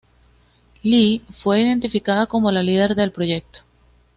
Lee fue identificada como la líder del proyecto.